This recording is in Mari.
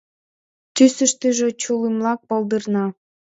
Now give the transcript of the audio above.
Тӱсыштыжӧ чулымлык палдырна.